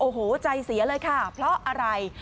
โอ้โหใจเสียเลยค่ะเพราะอะไร